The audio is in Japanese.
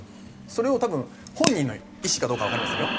それを本人の意思かどうかはわかりませんよ。